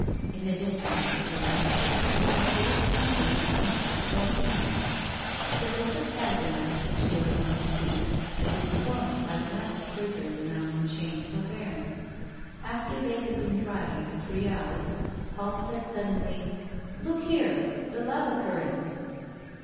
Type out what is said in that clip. In the distance, at the left, could be seen the great truncated summits of the volcanoes. The lake of Tazenat, which they were going to see, had been formed by the last crater in the mountain chain of Auvergne. After they had been driving for three hours, Paul said suddenly: "Look here, the lava currents!"